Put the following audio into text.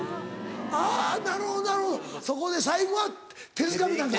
あぁなるほどなるほどそこで最後は手づかみなんだ。